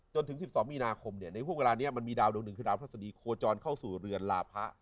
จนถึง๑๒มีนาคมในห่วงเวลานี้มันมีดาวดวงหนึ่งคือดาวพระศดีโคจรเข้าสู่เรือนลาพะ